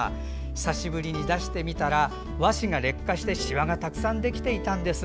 久しぶりに出してみたら和紙が劣化してしわがたくさんできていたんです。